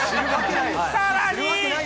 さらに。